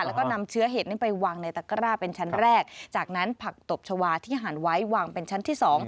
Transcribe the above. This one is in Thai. แล้วก็นำเชื้อเห็ดนี้ไปวางในตะกร้าเป็นชั้นแรกจากนั้นผักตบชาวาที่หั่นไว้วางเป็นชั้นที่สอง